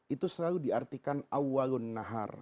itu selalu diartikan awalun nahar